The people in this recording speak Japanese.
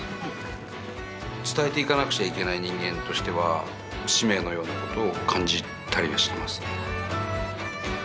伝えていかなくちゃいけない人間としては使命のような事を感じたりはしてますね。